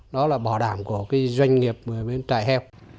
đó là bỏ đảm của doanh nghiệp về trại heo